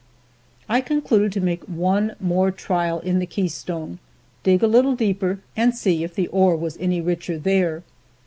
I concluded to make one more trial in the Keystone, dig a little deeper and see if the ore was any richer there.